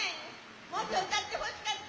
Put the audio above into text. もっと歌ってほしかった！